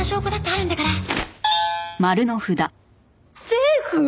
セーフ！？